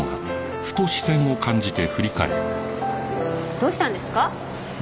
どうしたんですか？